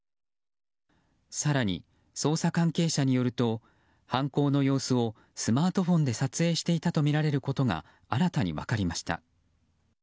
更に、捜査関係者によると犯行の様子をスマートフォンで撮影していたとみられることが新たに分かりました。